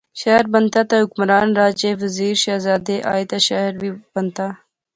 شہر بنتا تہ حکمران راجے، وزیر، شہزادے آئے تہ شہر وی بنتا